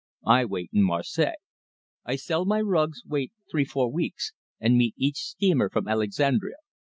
I wait in Marseilles. I sell my rugs, wait three, four weeks and meet each steamer from Alexandria.